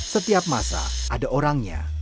setiap masa ada orangnya